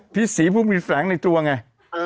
พี่ฝีบูงบีแล้งในตัวไง